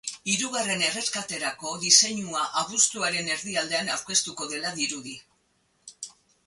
Hirugarren erreskaterako diseinua abuztuaren erdialdean aurkeztuko dela dirudi.